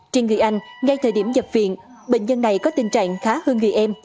trên người anh ngay thời điểm nhập viện bệnh nhân này có tình trạng khá hơn người em